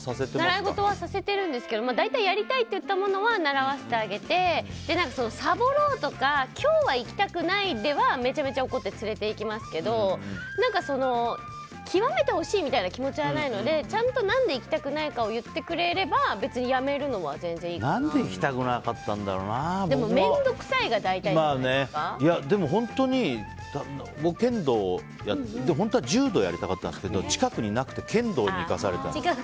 習い事はさせてるんですけどやりたいって言ったものは習わせてあげて、サボろうとか今日は行きたくないではめちゃめちゃ怒って連れていきますけど極めて欲しいみたいな気持ちはないのでちゃんと何で行きたくないかを言ってくれれば何で面倒くさいがでも本当に僕、剣道をやってて本当は柔道やりたかったんですけど近くになくて剣道に行かされたの。